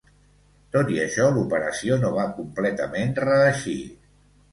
Tot i això, l'operació no va completament reeixir.